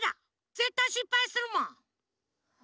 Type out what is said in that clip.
ぜったいしっぱいするもん。